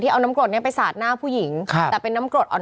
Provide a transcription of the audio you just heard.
เอาน้ำกรดเนี้ยไปสาดหน้าผู้หญิงครับแต่เป็นน้ำกรดอ่อน